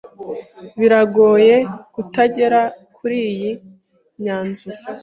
Biragoye kutagera kuriyi myanzuro.